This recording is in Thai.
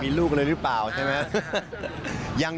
มีลูกเลยหรือเปล่าใช่ไหม